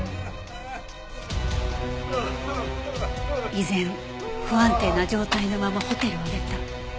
依然不安定な状態のままホテルを出た。